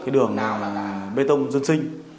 đường bê tông dân sinh